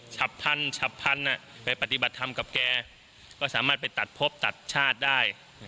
ฉับพันฉับพันธุ์ไปปฏิบัติธรรมกับแกก็สามารถไปตัดพบตัดชาติได้